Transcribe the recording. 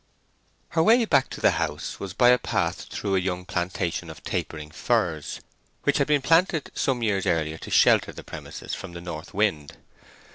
Her way back to the house was by a path through a young plantation of tapering firs, which had been planted some years earlier to shelter the premises from the north wind.